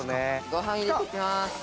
ご飯入れていきます。